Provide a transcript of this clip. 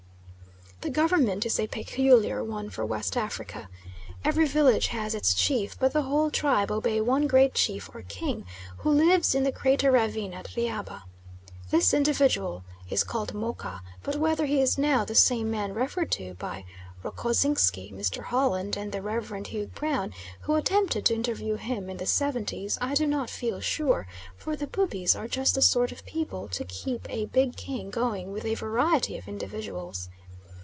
The government is a peculiar one for West Africa. Every village has its chief, but the whole tribe obey one great chief or king who lives in the crater ravine at Riabba. This individual is called Moka, but whether he is now the same man referred to by Rogoszinsky, Mr. Holland, and the Rev. Hugh Brown, who attempted to interview him in the seventies, I do not feel sure, for the Bubis are just the sort of people to keep a big king going with a variety of individuals.